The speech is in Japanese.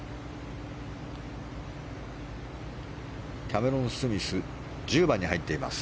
キャメロン・スミス１０番に入っています。